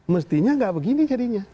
mestinya nggak begini jadinya